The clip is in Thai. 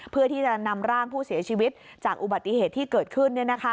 เพื่อที่จะนำร่างผู้เสียชีวิตจากอุบัติเหตุที่เกิดขึ้น